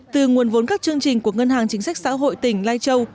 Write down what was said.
từ nguồn vốn các chương trình của ngân hàng chính sách xã hội tỉnh lai châu